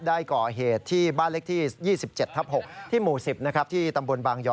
ได้ก่อเหตุที่บ้านเล็กที่ยี่สิบเจ็ดทับหกที่หมู่สิบนะครับที่ตำบลบางยอม